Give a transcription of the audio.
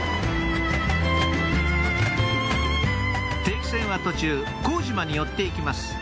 定期船は途中鴻島に寄って行きます